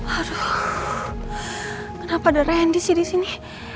aduh kenapa ada randy sih disini